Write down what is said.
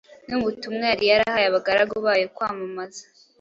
n’ubutumwa yari yarahaye abagaragu bayo kwamamaza.